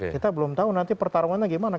kita belum tahu nanti pertarungannya gimana